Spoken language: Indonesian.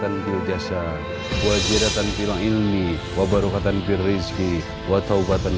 dan pilih jasa wajidatan fililmi wabarakatuh dan pirizki wataubatan